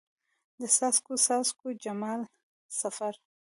د څاڅکو، څاڅکو د جمال سفر